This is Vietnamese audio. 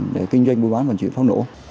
để kinh doanh buôn bán và sử dụng pháo nổ